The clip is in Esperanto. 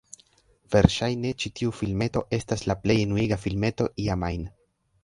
Verŝajne, ĉi tiu filmeto estas la plej enuiga filmeto iam ajn.